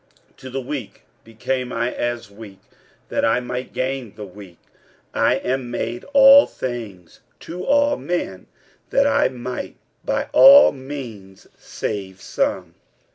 46:009:022 To the weak became I as weak, that I might gain the weak: I am made all things to all men, that I might by all means save some.